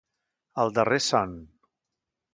El darrer son.